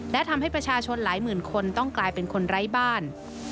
และทำให้ประชาชนหลายหมื่นคนต้องกลายเป็นคนไร้บ้าน